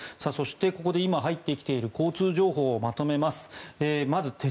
そして今、入ってきている交通情報をまとめます。